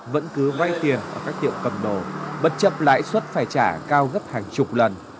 vẫn cứ vay tiền ở các tiệm cầm đồ bất chấp lãi suất phải trả cao gấp hàng chục lần